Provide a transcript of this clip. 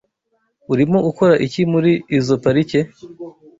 Urimo ukora iki muri izoi parike?